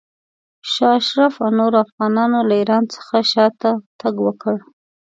شاه اشرف او نورو افغانانو له ایران څخه شاته تګ وکړ.